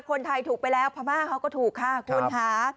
คนไทยถูกไปแล้วพม่าเขาก็ถูกค่ะคุณค่ะ